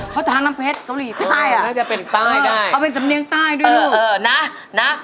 พอทางน้ำเพชรเกาหลีใต้เอาเป็นสำเนียงใต้ด้วยลูก